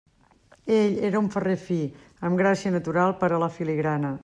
Ell era un ferrer fi, amb gràcia natural per a la filigrana.